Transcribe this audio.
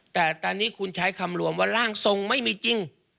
แต่ตอนนี้คุณใช้คำรวมว่าร่างทรงไม่มีจริง